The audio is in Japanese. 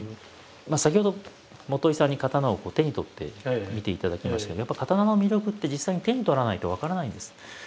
先ほど元井さんに刀を手に取って見ていただきましたけどやっぱ刀の魅力って実際に手に取らないと分からないんです。